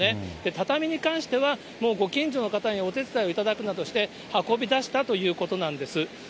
畳に関しては、ご近所の方にお手伝いをいただくなどして、運び出したということなんです。